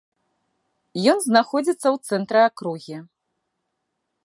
Ён знаходзіцца ў цэнтры акругі.